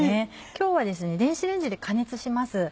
今日は電子レンジで加熱します。